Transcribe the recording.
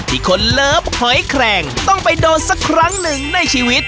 ที่คนเลิฟหอยแคลงต้องไปโดนสักครั้งหนึ่งในชีวิต